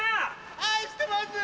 愛してます！